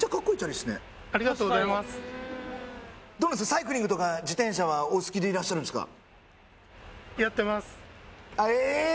サイクリングとか自転車はお好きでいらっしゃるんですか？